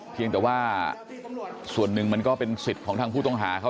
เพียงแต่ว่าส่วนหนึ่งมันก็เป็นสิทธิ์ของทางผู้ต้องหาเขา